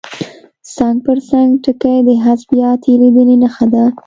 څنګ پر څنګ ټکي د حذف یا تېرېدنې نښه ده.